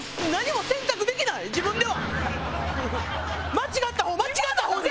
間違った方間違った方に。